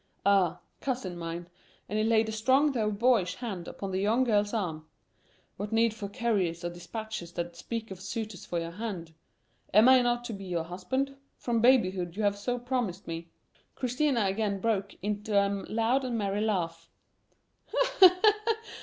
"Ah, cousin mine," and he laid a strong though boyish hand upon the young girl's arm. "What need for couriers or dispatches that speak of suitors for your hand? Am not I to be your husband? From babyhood you have so promised me." Christina again broke into a loud and merry laugh.